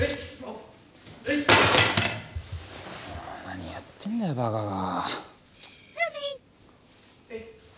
何やってんだよバカが。